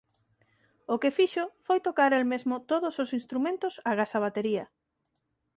O que fixo foi tocar el mesmo todos os instrumentos agás a batería.